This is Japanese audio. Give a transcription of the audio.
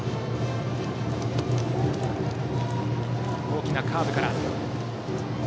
大きなカーブから。